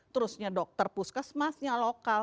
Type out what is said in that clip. terusnya dokter puskesmasnya lokal